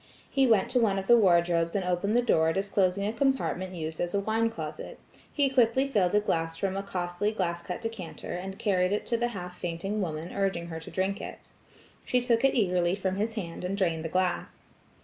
He went to one of the wardrobes and opened the door disclosing a compartment used as a wine closet. He quickly filled a glass from a costly cut glass decanter, and carried it to the half fainting woman urging her to drink it. She took it eagerly from his hand and drained the glass.